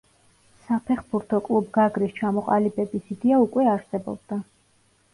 საფეხბურთო კლუბ გაგრის ჩამოყალიბების იდეა უკვე არსებობდა.